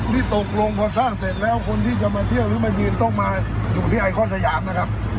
นี่ตกลงพอสร้างเสร็จแล้วคนที่จะมาเที่ยวหรือมายืนต้องมาอยู่ที่ไอคอนสยามนะครับ